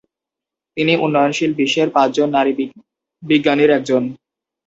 তিনি উন্নয়নশীল বিশ্বের পাঁচ জন নারী বিজ্ঞানীর একজন।